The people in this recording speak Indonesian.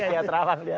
kiat rawang dia